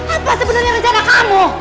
apa sebenarnya rencana kamu